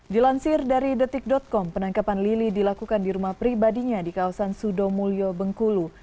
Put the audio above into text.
dilansir dari detik com penangkapan lili dilakukan di rumah pribadinya di kawasan sudomulyo bengkulu